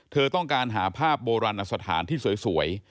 เธอต้องการหาภาพโบราณอสถานที่สวย